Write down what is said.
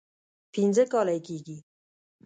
پنځه کاله یې کېږي.